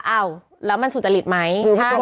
อ้าวแล้วมันสุจริตไหม